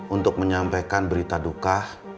untuk menyampaikan berita duka